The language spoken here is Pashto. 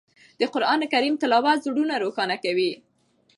د قرآن کریم تلاوت زړونه روښانه کوي.